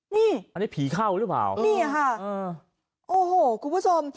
นี่อันนี้ผีเข้าหรือเปล่านี่ค่ะโอ้โหคุณผู้ชม